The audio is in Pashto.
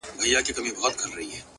د خپل ښايسته خيال پر زرينه پاڼه؛